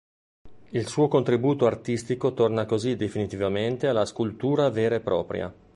Il suo contributo artistico torna così definitivamente alla scultura vera e propria.